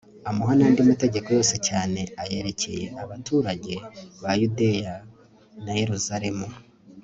amuha n'andi mategeko cyane cyane ayerekeye abaturage ba yudeya na yeruzalemu